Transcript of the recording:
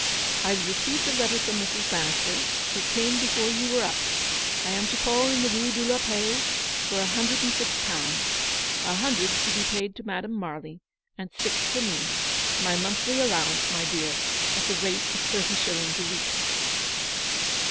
I've received a letter from Mrs. Bannister. It came 70 ELEANORS VICTORY. before you were up. I am to call in the Rue de la Paix for a hundred and six pounds. A hundred to be paid to Madame Marly, and six for me; my monthly allowance, my'dear, at the rate of thirty shillings a week."